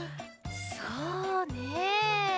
そうね。